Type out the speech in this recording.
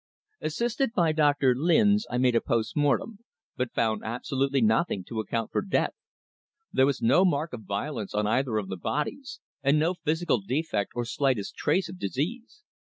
"Assisted by Doctor Lynes I made a post mortem, but found absolutely nothing to account for death. There was no mark of violence on either of the bodies, and no physical defect or slightest trace of disease.